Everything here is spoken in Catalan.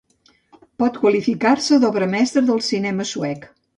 Pot qualificar-se d'obra mestra del cinema suec.